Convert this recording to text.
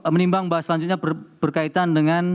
menimbang bahwa selanjutnya berkaitan dengan